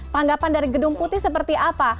tanggapan dari gedung putih seperti apa